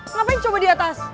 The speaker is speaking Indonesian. ngapain coba di atas